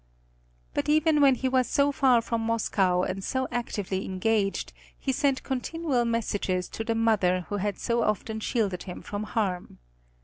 But even when he was so far from Moscow and so actively engaged, he sent continual messages to the mother who had so often shielded him from harm.